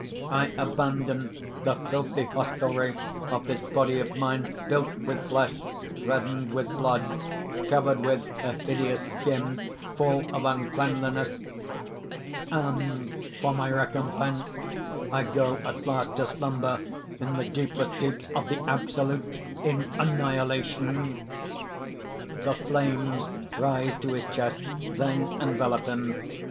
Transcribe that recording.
I abandon the filthy hostelry of this body of mine, built with flesh, reddened with blood, covered with a hideous skin, full of uncleanliness; and, for my recompense, I go at last to slumber in the deepest deeps of the Absolute in Annihilation." (_The flames rise to his chest, then envelope him.